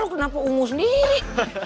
lu kenapa umus nih